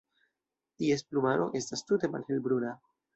Ties plumaro estas tute malhelbruna.